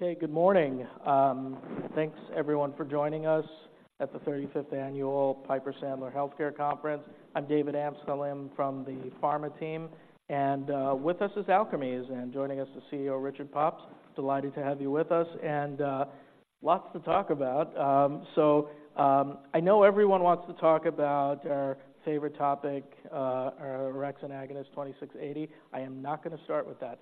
Good morning. Thanks everyone for joining us at the 35th Annual Piper Sandler Healthcare Conference. I'm David Amsellem from the pharma team, and with us is Alkermes, and joining us is CEO, Richard Pops. Delighted to have you with us, and lots to talk about. So, I know everyone wants to talk about our favorite topic, our orexin agonist, 2680. I am not gonna start with that,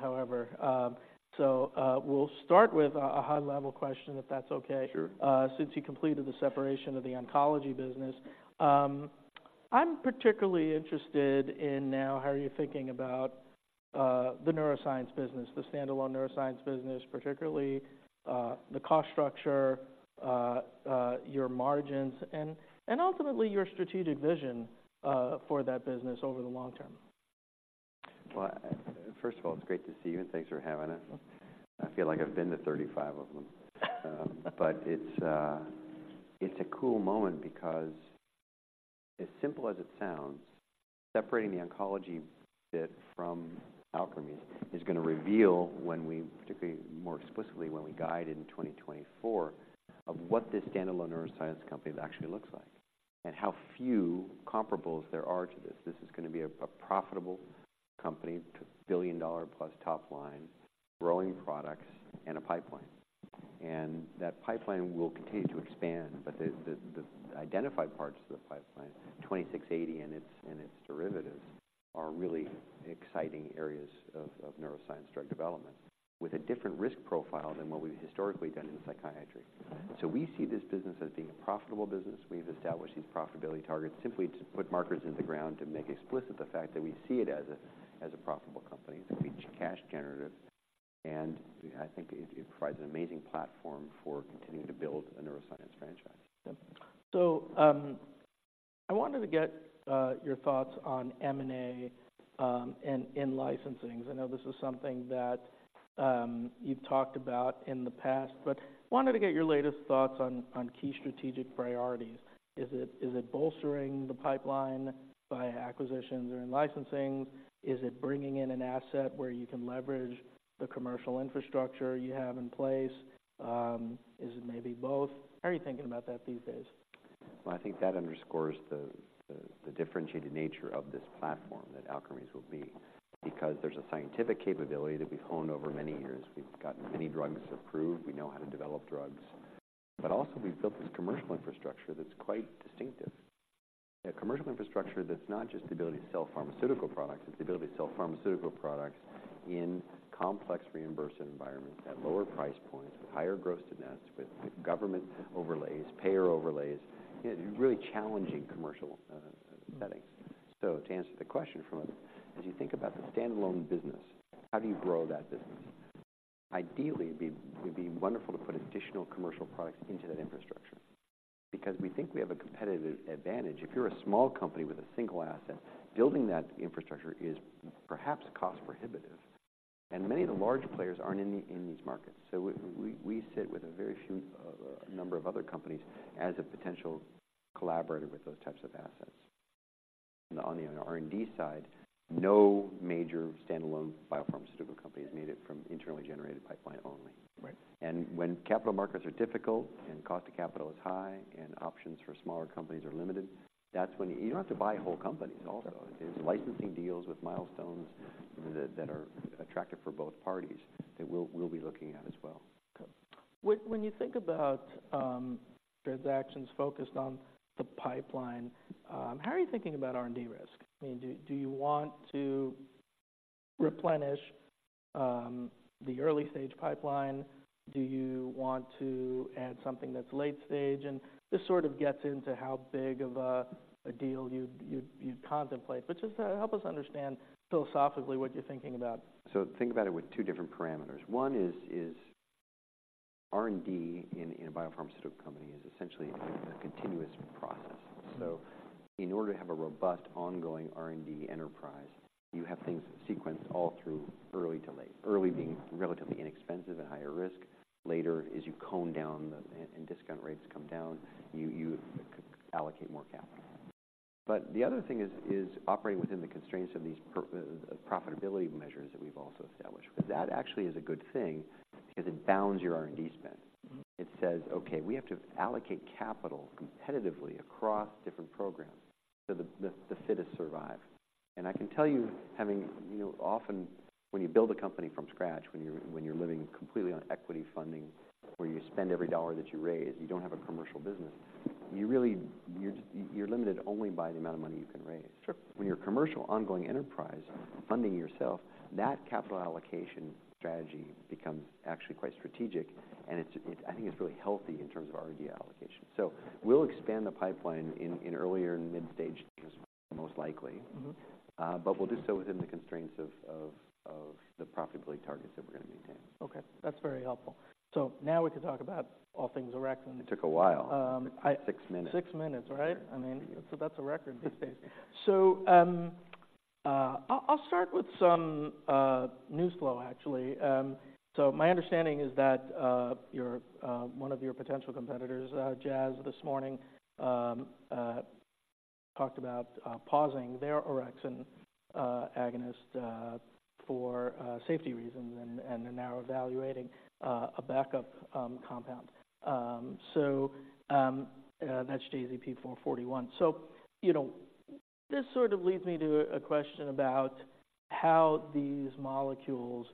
however. So, we'll start with a high level question, if that's okay? Sure. Since you completed the separation of the oncology business. I'm particularly interested in now, how are you thinking about the neuroscience business, the standalone neuroscience business, particularly the cost structure, your margins, and ultimately your strategic vision for that business over the long term? Well, first of all, it's great to see you, and thanks for having us. I feel like I've been to 35 of them. But it's a cool moment because as simple as it sounds, separating the oncology bit from Alkermes is gonna reveal when we, particularly more explicitly, when we guide in 2024, of what this standalone neuroscience company actually looks like and how few comparables there are to this. This is gonna be a profitable company to billion-dollar-plus top line, growing products and a pipeline. And that pipeline will continue to expand, but the identified parts of the pipeline, 2680 and its derivatives, are really exciting areas of neuroscience drug development with a different risk profile than what we've historically done in psychiatry. We see this business as being a profitable business. We've established these profitability targets simply to put markers in the ground to make explicit the fact that we see it as a, as a profitable company, that we're cash generative. I think it, it provides an amazing platform for continuing to build a neuroscience franchise. Yes. So, I wanted to get your thoughts on M&A and in-licensing. I know this is something that you've talked about in the past, but wanted to get your latest thoughts on key strategic priorities. Is it bolstering the pipeline by acquisitions or in-licensing? Is it bringing in an asset where you can leverage the commercial infrastructure you have in place? Is it maybe both? How are you thinking about that these days? Well, I think that underscores the differentiated nature of this platform that Alkermes will be, because there's a scientific capability that we've honed over many years. We've gotten many drugs approved. We know how to develop drugs, but also we've built this commercial infrastructure that's quite distinctive. A commercial infrastructure that's not just the ability to sell pharmaceutical products, it's the ability to sell pharmaceutical products in complex reimbursement environments at lower price points, with higher gross-to-nets, with government overlays, payer overlays, you know, really challenging commercial settings. So to answer the question from, as you think about the standalone business, how do you grow that business? Ideally, it'd be wonderful to put additional commercial products into that infrastructure because we think we have a competitive advantage. If you're a small company with a single asset, building that infrastructure is perhaps cost prohibitive, and many of the large players aren't in these markets. So we sit with a very few number of other companies as a potential collaborator with those types of assets. On the R&D side, no major standalone biopharmaceutical company has made it from internally generated pipeline only. Right. When capital markets are difficult, and cost of capital is high, and options for smaller companies are limited, that's when You don't have to buy whole companies also There's licensing deals with milestones that are attractive for both parties, that we'll be looking at as well. Okay. When you think about transactions focused on the pipeline, how are you thinking about R&D risk? I mean, do you want to replenish the early-stage pipeline? Do you want to add something that's late stage? And this sort of gets into how big of a deal you'd contemplate, but just help us understand philosophically what you're thinking about. Think about it with two different parameters. One is R&D in a biopharmaceutical company is essentially a continuous process. So in order to have a robust, ongoing R&D enterprise, you have things sequenced all through early to late. Early being relatively inexpensive and higher risk. Later, as you narrow down and discount rates come down, you allocate more capital. But the other thing is operating within the constraints of these profitability measures that we've also established. But that actually is a good thing because it bounds your R&D spend. It says: Okay, we have to allocate capital competitively across different programs so the fittest survive. And I can tell you, having you know, often, when you build a company from scratch, when you're living completely on equity funding, where you spend every dollar that you raise, you don't have a commercial business. You really, you're limited only by the amount of money you can raise. Sure. When you're a commercial, ongoing enterprise, funding yourself, that capital allocation strategy becomes actually quite strategic, and it's, I think it's really healthy in terms of R&D allocation. So we'll expand the pipeline in earlier and mid-stage, most likely. But we'll do so within the constraints of the profitability targets that we're going to maintain. Okay, that's very helpful. So now we can talk about all things orexin. It took a while, six minutes. Six minutes, right? I mean, so that's a record these days. So, I'll start with some news flow, actually. So my understanding is that your one of your potential competitors, Jazz, this morning, talked about pausing their orexin agonist for safety reasons, and they're now evaluating a backup compound. So, that's JZP441. So, you know, this sort of leads me to a question about how these molecules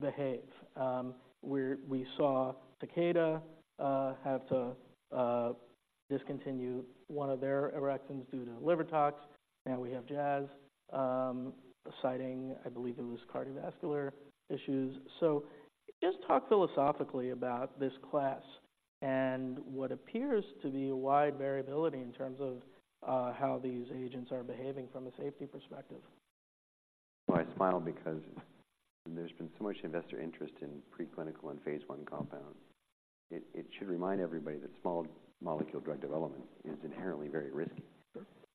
behave. We saw Takeda have to discontinue one of their orexins due to liver tox. Now we have Jazz citing, I believe it was cardiovascular issues. So just talk philosophically about this class and what appears to be a wide variability in terms of how these agents are behaving from a safety perspective. Well, I smile because there's been so much investor interest in preclinical and phase I compounds. It should remind everybody that small molecule drug development is inherently very risky,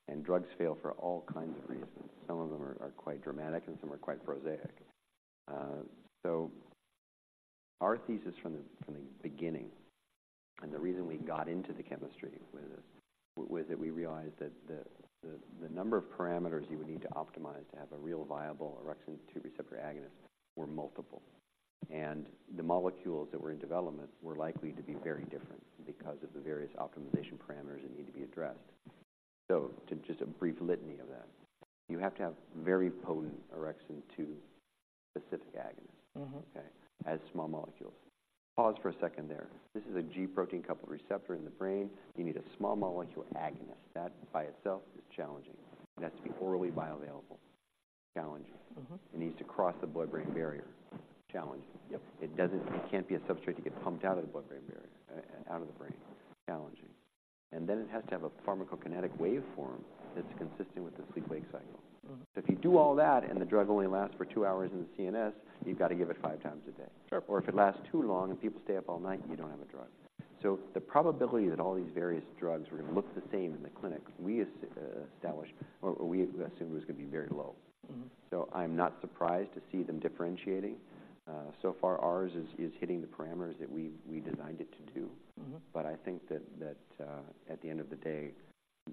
and drugs fail for all kinds of reasons. Some of them are quite dramatic and some are quite prosaic. So our thesis from the beginning and the reason we got into the chemistry was that we realized that the number of parameters you would need to optimize to have a real viable orexin 2 receptor agonist were multiple. And the molecules that were in development were likely to be very different because of the various optimization parameters that need to be addressed. So to just a brief litany of that, you have to have very potent orexin 2 specific agonist. Okay? As small molecules. Pause for a second there. This is a G protein-coupled receptor in the brain. You need a small molecule agonist. That by itself is challenging. It has to be orally bioavailable, challenging. It needs to cross the blood-brain barrier, challenging. Yep. It can't be a substrate to get pumped out of the blood-brain barrier, out of the brain, challenging. And then it has to have a pharmacokinetic waveform that's consistent with the sleep-wake cycle. If you do all that and the drug only lasts for two hours in the CNS, you've got to give it five times a day or if it lasts too long and people stay up all night, you don't have a drug. So the probability that all these various drugs were going to look the same in the clinic, we assumed, was going to be very low. So I'm not surprised to see them differentiating. So far, ours is hitting the parameters that we designed it to do. But I think that at the end of the day,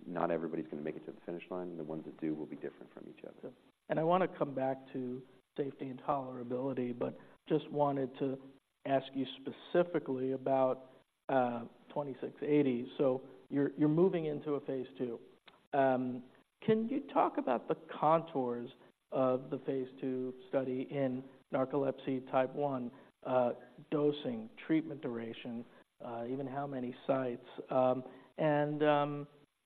not everybody's going to make it to the finish line, and the ones that do will be different from each other. I want to come back to safety and tolerability, but just wanted to ask you specifically about 2680. So you're, you're moving into a phase II. Can you talk about the contours of the phase II study in narcolepsy type 1, dosing, treatment duration, even how many sites? And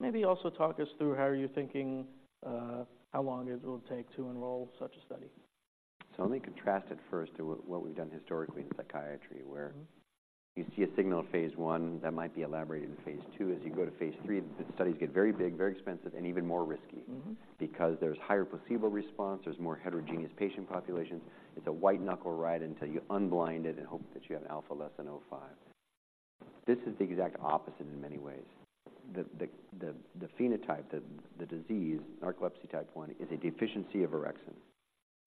maybe also talk us through how you're thinking, how long it will take to enroll such a study. Let me contrast it first to what we've done historically in psychiatry, wherey ou see a signal in phase II that might be elaborated in phase II. As you go to phase III, the studies get very big, very expensive, and even more risky. Because there's higher placebo response, there's more heterogeneous patient populations. It's a white knuckle ride until you unblind it and hope that you have an alpha less than 0.05. This is the exact opposite in many ways. The phenotype, the disease, narcolepsy type 1, is a deficiency of orexin.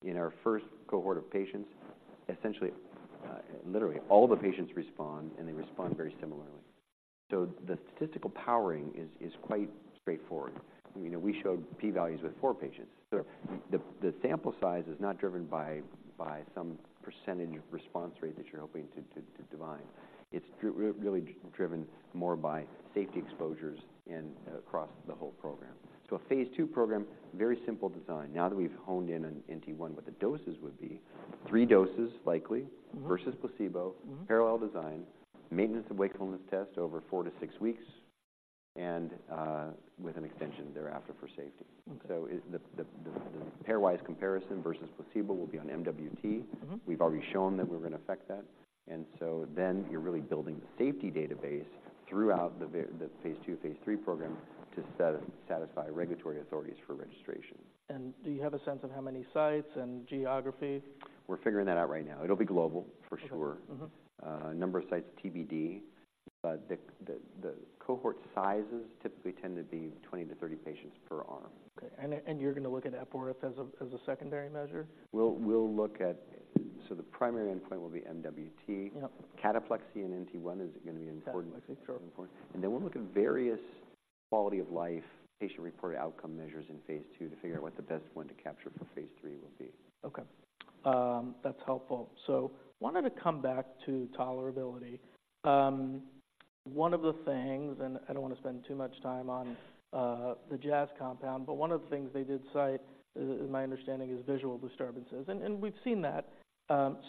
In our first cohort of patients, essentially, literally all the patients respond, and they respond very similarly. So the statistical powering is quite straightforward. I mean, we showed p-values with four patients. So the sample size is not driven by some percentage response rate that you're hoping to divine. It's really driven more by safety exposures and across the whole program. So a phase II program, very simple design. Now that we've honed in on NT1, what the doses would be, three doses likely versus placebo parallel design, Maintenance of Wakefulness Test over four to six weeks, and with an extension thereafter for safety. Okay. So is the pairwise comparison versus placebo will be on MWT. We've already shown that we're going to affect that. And so then you're really building the safety database throughout the phase II, phase III program to satisfy regulatory authorities for registration. Do you have a sense of how many sites and geography? We're figuring that out right now. It'll be global, for sure. Okay. Number of sites, TBD, but the cohort sizes typically tend to be 20-30 patients per arm. Okay, and you're going to look at Epworth as a secondary measure? We'll look at, so the primary endpoint will be MWT. Yep. Cataplexy and NT1 is going to be an important- Cataplexy. -important point. Then we'll look at various quality of life, patient-reported outcome measures in phase II to figure out what the best one to capture for phase III will be. Okay, that's helpful. So wanted to come back to tolerability. One of the things, and I don't want to spend too much time on the Jazz compound, but one of the things they did cite is, my understanding, visual disturbances, and we've seen that.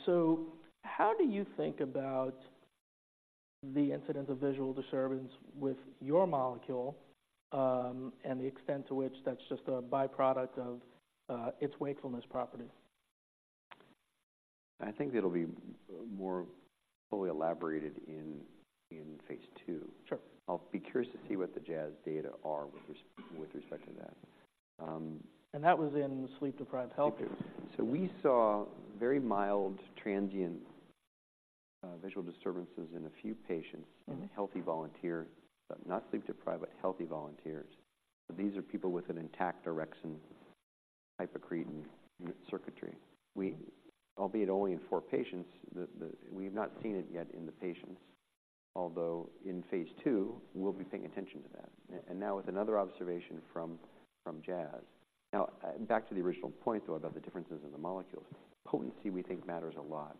So how do you think about the incidence of visual disturbance with your molecule, and the extent to which that's just a byproduct of its wakefulness property? I think it'll be more fully elaborated in phase II. Sure. I'll be curious to see what the Jazz data are with respect to that. That was in sleep-deprived healthy. We saw very mild, transient, visual disturbances in a few patients in healthy volunteers, but not sleep-deprived, but healthy volunteers. These are people with an intact orexin system hypocretin circuitry. We, albeit only in four patients, we've not seen it yet in the patients. Although in phase II, we'll be paying attention to that. And now, with another observation from Jazz. Now, back to the original point, though, about the differences in the molecules. Potency, we think, matters a lot,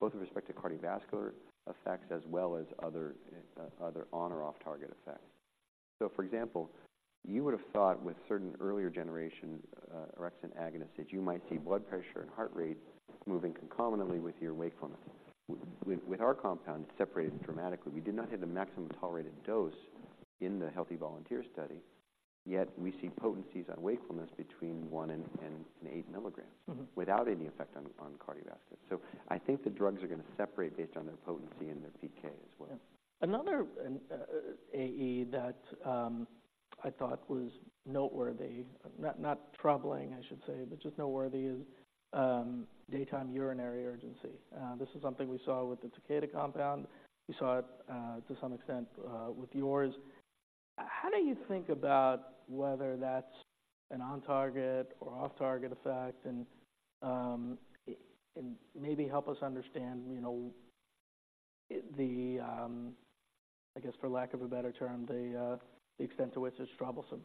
both with respect to cardiovascular effects as well as other on or off-target effects. So for example, you would have thought with certain earlier generation orexin agonists, that you might see blood pressure and heart rate moving concomitantly with your wakefulness. With our compound, it's separated dramatically. We did not hit the maximum tolerated dose in the healthy volunteer study, yet we see potencies on wakefulness between 1 and 8 milligrams without any effect on cardiovascular. So I think the drugs are going to separate based on their potency and their PK as well. Another AE that I thought was noteworthy, not troubling, I should say, but just noteworthy, is daytime urinary urgency. This is something we saw with the Takeda compound. We saw it, to some extent, with yours. How do you think about whether that's an on-target or off-target effect? And, and maybe help us understand, you know, I guess for lack of a better term, the, the extent to which it's troublesome.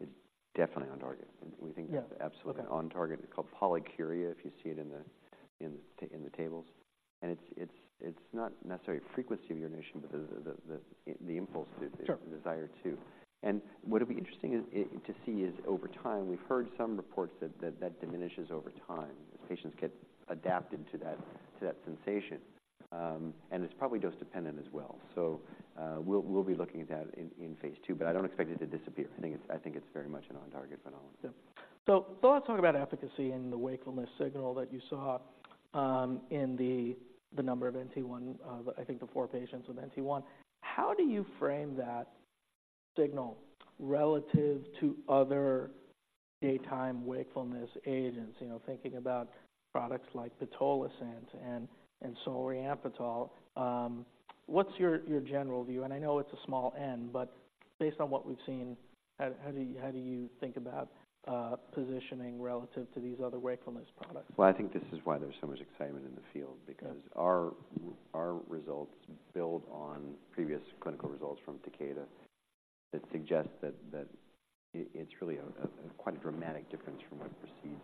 It's definitely on target. We think that absolutely on target. It's called polyuria, if you see it in the tables, and it's not necessarily frequency of urination, but the impulse to the desire to. And what will be interesting is to see over time. We've heard some reports that that diminishes over time as patients get adapted to that sensation. And it's probably dose-dependent as well. So, we'll be looking at that in phase II, but I don't expect it to disappear. I think it's very much an on-target phenomenon. Yeah. So let's talk about efficacy and the wakefulness signal that you saw in the number of NT1, I think the four patients with NT1. How do you frame that signal relative to other daytime wakefulness agents? You know, thinking about products like pitolisant and solriamfetol. What's your general view? And I know it's a small n, but based on what we've seen, how do you think about positioning relative to these other wakefulness products? Well, I think this is why there's so much excitement in the field. Because our results build on previous clinical results from Takeda. That suggests that it is really quite a dramatic difference from what precedes.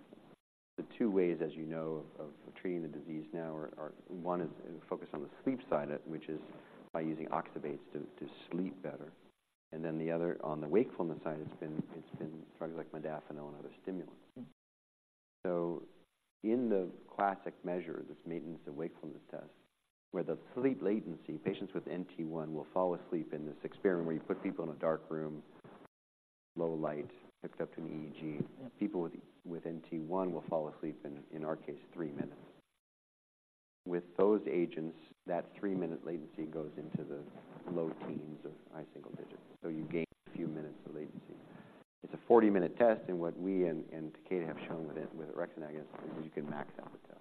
The two ways, as you know, of treating the disease now are: one is focused on the sleep side, which is by using oxybates to sleep better, and then the other, on the wakefulness side, it's been drugs like modafinil and other stimulants. So in the classic measure, this Maintenance of Wakefulness Test, where the sleep latency, patients with NT1 will fall asleep in this experiment where you put people in a dark room, low light, hooked up to an EEG. People with NT1 will fall asleep in our case, three minutes. With those agents, that three minute latency goes into the low teens of high single digits. So you gain a few minutes of latency. It's a 40-minute test, and what we and Takeda have shown with orexin agonist is you can max out the test.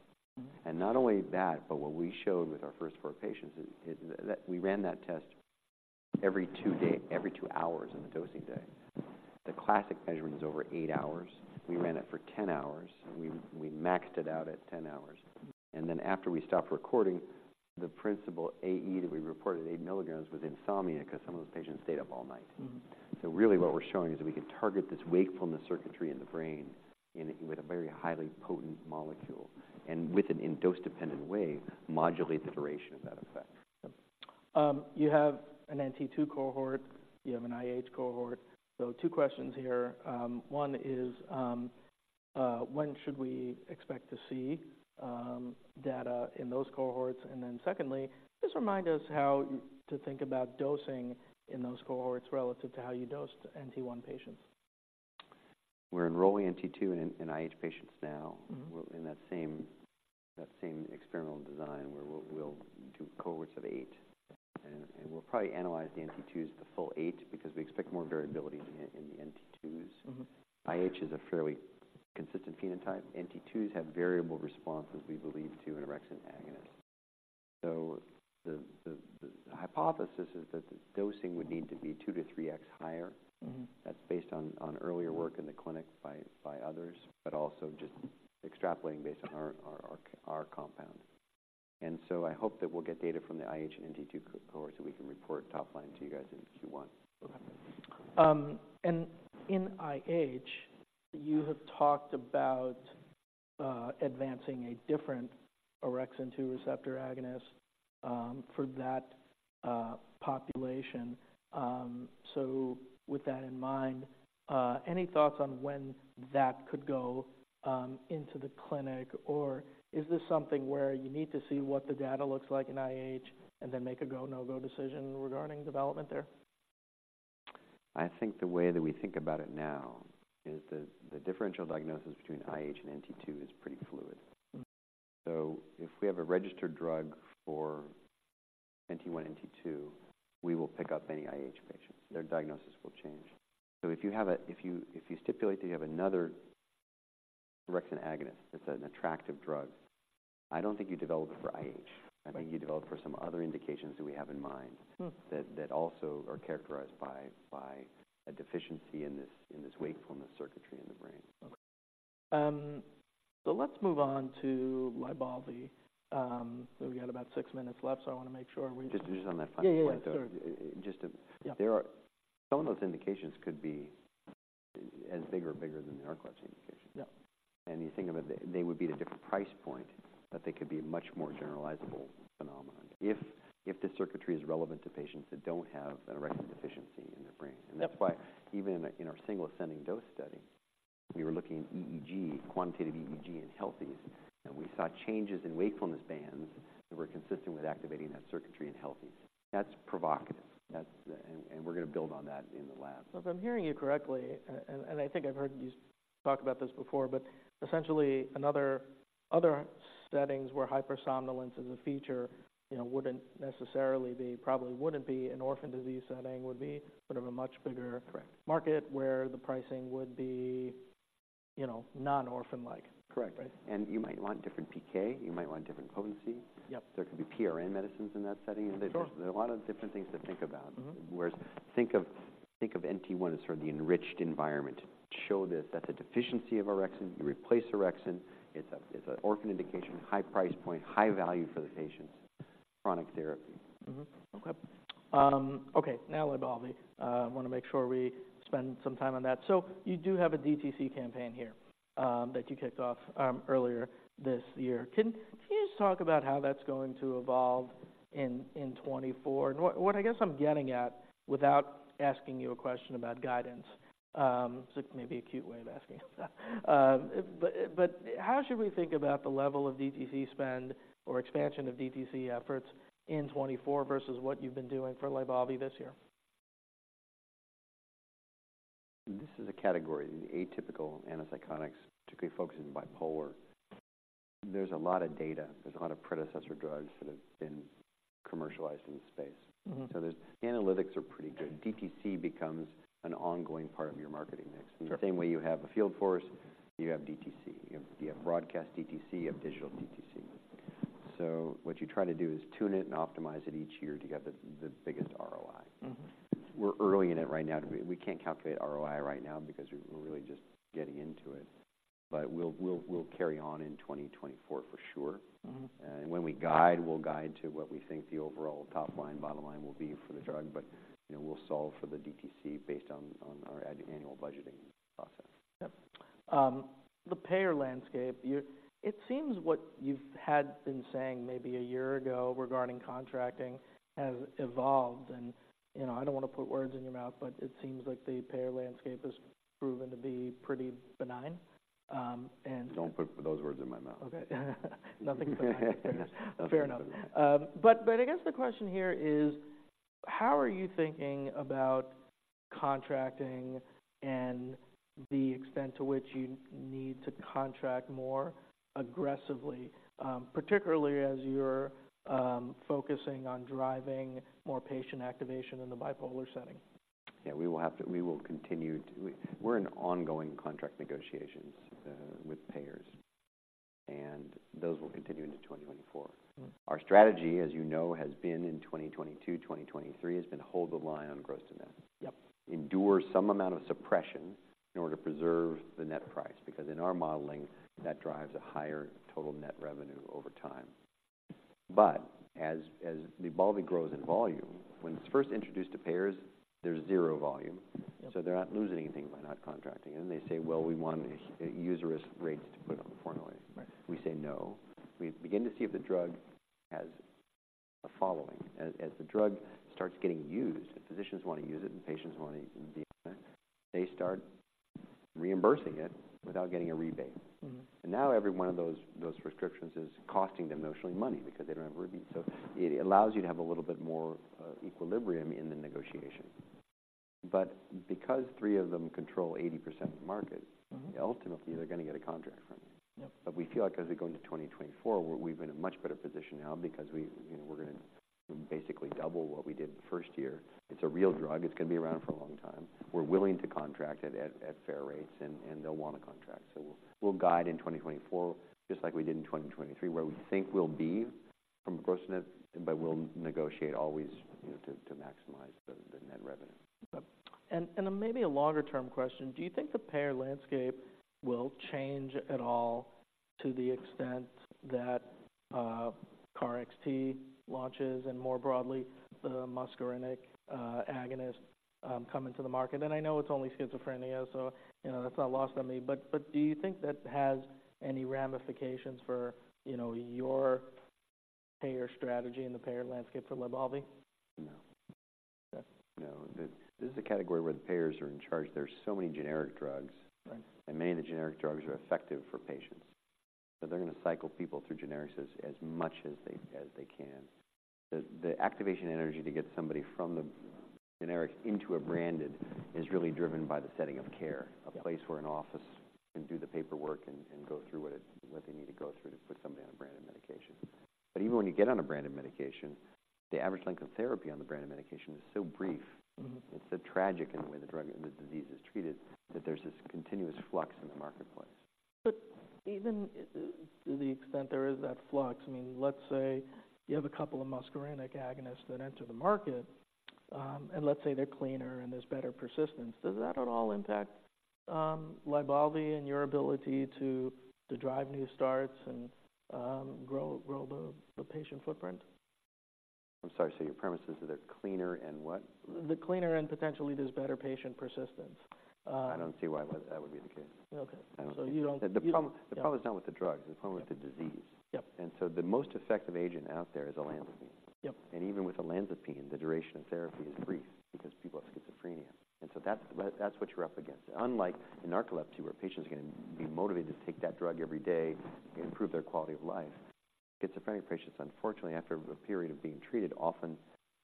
Not only that, but what we showed with our first four patients is that we ran that test every two days, every two hours in the dosing day. The classic measurement is over eight hours. We ran it for 10 hours. We maxed it out at 10 hours, and then after we stopped recording, the principal AE that we reported at 8 milligrams was insomnia, 'cause some of those patients stayed up all night. So really what we're showing is that we can target this wakefulness circuitry in the brain in a, with a very highly potent molecule, and with it, in dose-dependent way, modulate the duration of that effect. You have an NT2 cohort, you have an IH cohort. So two questions here. One is, when should we expect to see data in those cohorts? And then secondly, just remind us how to think about dosing in those cohorts relative to how you dosed NT1 patients. We're enrolling NT2 and IH patients now we're in that same experimental design, where we'll do cohorts of eight, and we'll probably analyze the NT2s, the full eight, because we expect more variability in the NT2s. IH is a fairly consistent phenotype. NT2s have variable responses, we believe, to an orexin agonist. So the hypothesis is that the dosing would need to be 2-3x higher. That's based on earlier work in the clinic by others, but also just extrapolating based on our compound. So I hope that we'll get data from the IH and NT2 cohorts, so we can report top-line to you guys in Q1. Okay. And in IH, you have talked about advancing a different orexin two receptor agonist for that population. So with that in mind, any thoughts on when that could go into the clinic, or is this something where you need to see what the data looks like in IH and then make a go, no-go decision regarding development there? I think the way that we think about it now is the differential diagnosis between IH and NT2 is pretty fluid. So if we have a registered drug for NT1, NT2, we will pick up any IH patients. Their diagnosis will change. So if you stipulate that you have another orexin agonist. It's an attractive drug. I don't think you develop it for IH. Right. I think you develop for some other indications that we have in mind that also are characterized by a deficiency in this wakefulness circuitry in the brain. Okay, so let's move on to LYBALVI. We got about six minutes left, so I want to make sure we... Just on that final point, though. Yeah, yeah. Sure. Just to, some of those indications could be as big or bigger than the narcolepsy indication. Yeah. You think of it, they would be at a different price point, but they could be a much more generalizable phenomenon if the circuitry is relevant to patients that don't have an orexin deficiency in their brain. Yep. That's why even in our single ascending dose study, we were looking at EEG, quantitative EEG in healthies, and we saw changes in wakefulness bands that were consistent with activating that circuitry in healthies. That's provocative, and we're going to build on that in the lab. So if I'm hearing you correctly, and I think I've heard you talk about this before, but essentially other settings where hypersomnolence is a feature, you know, wouldn't necessarily be, probably wouldn't be an orphan disease setting, would be sort of a much bigger market where the pricing would be, you know, non-orphan-like? Correct. Right. You might want different PK, you might want different potency. Yep. There could be PRN medicines in that setting. Sure. There are a lot of different things to think about. Whereas think of, think of NT1 as sort of the enriched environment to show this, that the deficiency of orexin, you replace orexin, it's a, it's an orphan indication, high price point, high value for the patients, chronic therapy. Okay, now LYBALVI. I want to make sure we spend some time on that. So you do have a DTC campaign here that you kicked off earlier this year. Can you just talk about how that's going to evolve in 2024? And what I guess I'm getting at, without asking you a question about guidance, so it may be a cute way of asking you that. But how should we think about the level of DTC spend or expansion of DTC efforts in 2024 versus what you've been doing for LYBALVI this year? This is a category, the atypical antipsychotics, particularly focused in bipolar. There's a lot of data, there's a lot of predecessor drugs that have been commercialized in the space, analytics are pretty good. DTC becomes an ongoing part of your marketing mix. Sure. In the same way you have a field force, you have DTC, you have broadcast DTC, you have digital DTC. So what you try to do is tune it and optimize it each year to get the biggest ROI. We're early in it right now. Right. We can't calculate ROI right now because we're really just getting into it, but we'll carry on in 2024, for sure. When we guide, we'll guide to what we think the overall top line, bottom line will be for the drug. But, you know, we'll solve for the DTC based on our annual budgeting process. Yep. The payer landscape. It seems what you've had been saying maybe a year ago regarding contracting has evolved and, you know, I don't want to put words in your mouth, but it seems like the payer landscape has proven to be pretty benign. Don't put those words in my mouth. Okay. Nothing benign. Fair enough. Okay. But I guess the question here is: how are you thinking about contracting and the extent to which you need to contract more aggressively, particularly as you're focusing on driving more patient activation in the bipolar setting? Yeah, we're in ongoing contract negotiations with payers, and those will continue into 2024.Hmm.Our strategy, as you know, has been in 2022, 2023, has been to hold the line on gross-to-net. Yep. Endure some amount of suppression in order to preserve the net price, because in our modeling, that drives a higher total net revenue over time. But as the LYBALVI grows in volume, when it's first introduced to payers, there's zero volume. Yep. They're not losing anything by not contracting, and they say, "Well, we want huge rebates to put it on the formulary. Right. We say, "No." We begin to see if the drug has a following. As the drug starts getting used, the physicians want to use it, and patients want to be on it, they start reimbursing it without getting a rebate. Now every one of those restrictions is costing them notionally money because they don't have a rebate. So it allows you to have a little bit more equilibrium in the negotiation. But because three of them control 80% of the market ultimately, they're going to get a contract from you. Yep. But we feel like as we go into 2024, we're, we're in a much better position now because we, you know, we're going to basically double what we did the first year. It's a real drug. It's going to be around for a long time. We're willing to contract at, at, at fair rates, and, and they'll want to contract. So we'll, we'll guide in 2024, just like we did in 2023, where we think we'll be from a gross-to-net, but we'll negotiate always, you know, to, to maximize the, the net revenue. Yep. And then maybe a longer-term question: Do you think the payer landscape will change at all to the extent that KarXT launches and more broadly, the muscarinic agonist come into the market? And I know it's only schizophrenia, so you know, that's not lost on me. But do you think that has any ramifications for, you know, your payer strategy and the payer landscape for LYBALVI? No. Okay. No. This is a category where the payers are in charge. There are so many generic drugs and many of the generic drugs are effective for patients, so they're going to cycle people through generics as much as they can. The activation energy to get somebody from the generics into a branded is really driven by the setting of care a place where an office can do the paperwork and go through what they need to go through to put somebody on a branded medication. But even when you get on a branded medication, the average length of therapy on the branded medication is so brief it's so tragic in the way the drug and the disease is treated, that there's this continuous flux in the marketplace. But even to the extent there is that flux, I mean, let's say you have a couple of muscarinic agonists that enter the market, and let's say they're cleaner and there's better persistence, does that at all impact LYBALVI and your ability to drive new starts and grow the patient footprint? I'm sorry, so your premise is that they're cleaner and what? The cleaner and potentially there's better patient persistence. I don't see why that would be the case. Okay. I don't see. So you don't. The problem is not with the drugs, the problem is the disease. Yep. The most effective agent out there is olanzapine. Yep. Even with olanzapine, the duration of therapy is brief because people have schizophrenia, and so that's what you're up against. Unlike in narcolepsy, where patients are going to be motivated to take that drug every day and improve their quality of life, schizophrenic patients, unfortunately, after a period of being treated, often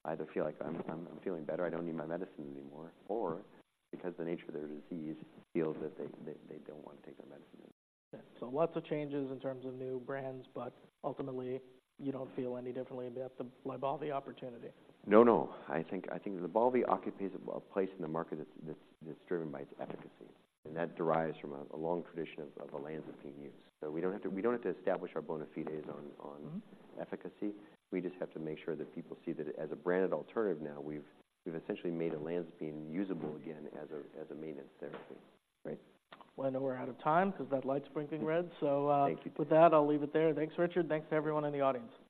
either feel like, "I'm feeling better. I don't need my medicines anymore," or because of the nature of their disease, feel that they don't want to take their medicine anymore. Yeah. So lots of changes in terms of new brands, but ultimately, you don't feel any differently about the LYBALVI opportunity? No. I think LYBALVI occupies a place in the market that's driven by its efficacy, and that derives from a long tradition of olanzapine use. So we don't have to establish our bona fides on efficacy. We just have to make sure that people see that as a branded alternative now, we've essentially made olanzapine usable again as a maintenance therapy. Great. Well, I know we're out of time because that light's blinking red. Thank you. So, with that, I'll leave it there. Thanks, Richard. Thanks to everyone in the audience.